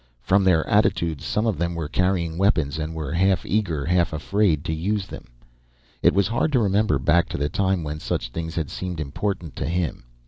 From their attitudes, some of them were carrying weapons and were half eager, half afraid to use them. It was hard to remember back to the time when such things had seemed important to him.